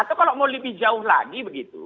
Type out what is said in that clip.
atau kalau mau lebih jauh lagi begitu